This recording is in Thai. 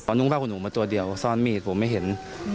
เอานุ้งพระขุนุงมาตัวเดียวซ่อนมีดผมไม่เห็น